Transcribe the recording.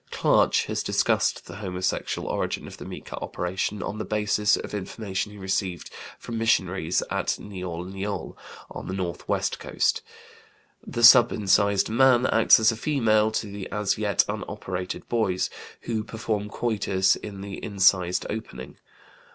Klaatsch has discussed the homosexual origin of the mika operation on the basis of information he received from missionaries at Niol Niol, on the northwest coast. The subincised man acts as a female to the as yet unoperated boys, who perform coitus in the incised opening.